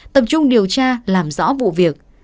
tập trung điều tra làm rõ vụ việc